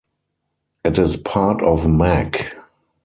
It is part of Mac.